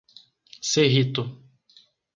Cerrito